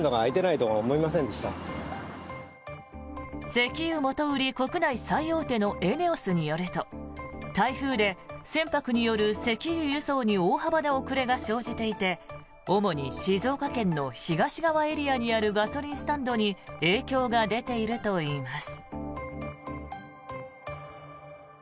石油元売り国内最大手のＥＮＥＯＳによると台風で船舶による石油輸送に大幅な遅れが生じていて主に静岡県の東側エリアにあるガソリンスタンドに影響が出ているといいます。